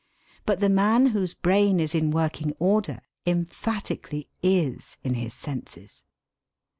But the man whose brain is in working order emphatically is in his senses.